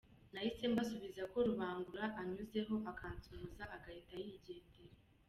Nahise mbasubiza ko Rubangura anyuzeho akansuhuza agahita yigendera.